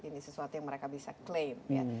ini sesuatu yang mereka bisa claim